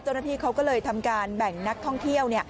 เจ้าหน้าที่เขาก็เลยทำการแบ่งนักท่องเที่ยว